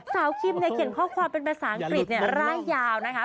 คิมเนี่ยเขียนข้อความเป็นภาษาอังกฤษร่ายยาวนะคะ